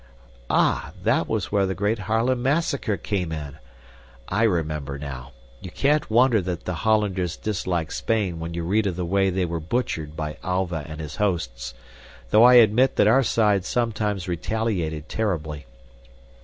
"Ah! That was where the great Haarlem massacre came in. I remember now. You can't wonder that the Hollanders dislike Spain when you read of the way they were butchered by Alva and his hosts, though I admit that our side sometimes retaliated terribly.